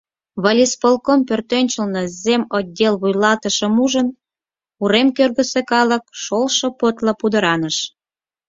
Волисполком пӧртӧнчылнӧ земотдел вуйлатышым ужын, урем кӧргысӧ калык шолшо подла пудыраныш.